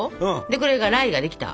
でこれが「ライ」ができた。